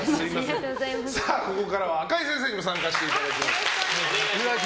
ここからは赤井先生にも参加していただきます。